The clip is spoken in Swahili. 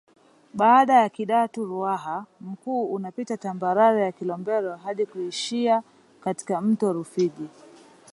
Baada ya Kidatu Ruaha Mkuu unapita tambarare ya Kilombero hadi kuishia katika mto Rufiji